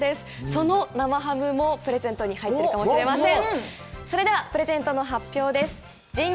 その生ハムもプレゼントに入っているかもしれません。